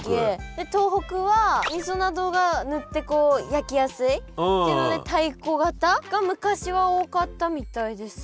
で東北はみそなどが塗って焼きやすいっていうので太鼓型が昔は多かったみたいです。